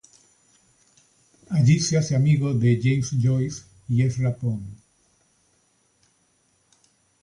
Allí se hace amigo de James Joyce y Ezra Pound.